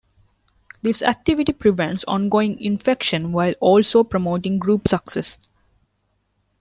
This activity prevents ongoing infection while also promoting group success.